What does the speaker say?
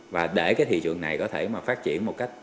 và để cái thị trường này có thể mà phát triển một cách